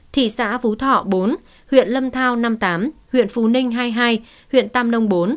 thị xã phú thọ bốn huyện lâm thao năm mươi tám huyện phú ninh hai mươi hai huyện tam nông bốn